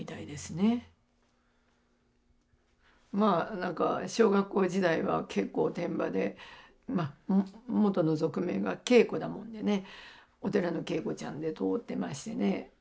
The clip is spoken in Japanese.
まあ何か小学校時代は結構おてんばで元の俗名が圭子だもんでお寺の圭子ちゃんで通ってましてね。